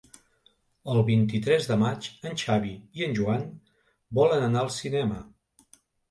El vint-i-tres de maig en Xavi i en Joan volen anar al cinema.